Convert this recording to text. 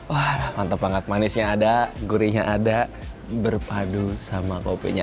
wah mantap banget manisnya ada gurihnya ada berpadu sama kopinya